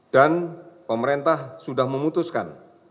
dan pemerintah sudah memutuskan